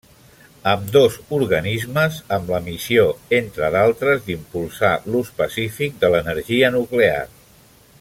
Ambdós organismes amb la missió, entre d'altres, d'impulsar l'ús pacífic de l'energia nuclear.